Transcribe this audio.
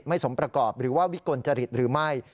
สมประกอบหรือว่าวิกลจริตหรือไม่